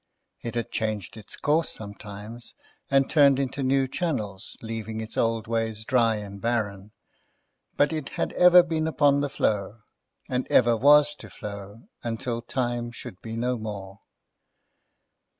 It had changed its course sometimes, and turned into new channels, leaving its old ways dry and barren; but it had ever been upon the flow, and ever was to flow until Time should be no more.